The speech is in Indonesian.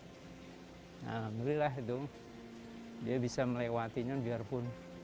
alhamdulillah itu dia bisa melewatinya biarpun